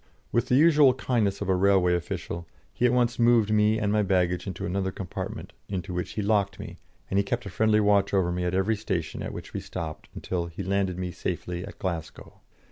With the usual kindness of a railway official, he at once moved me and my baggage into another compartment, into which he locked me, and he kept a friendly watch over me at every station at which we stopped until he landed me safely at Glasgow.